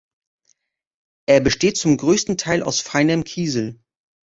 Er besteht zum größten Teil aus feinem Kiesel.